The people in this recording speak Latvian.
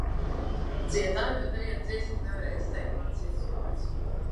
Dziedāju, bet neviena dziesma nevarēja izteikt manas izjūtas.